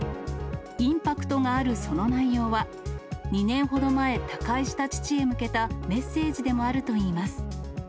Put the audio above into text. インパクトがあるその内容は、２年ほど前、他界した父へ向けたメッセージでもあるといいます。